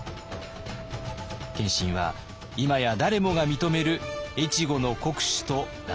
謙信は今や誰もが認める越後の国主となったのです。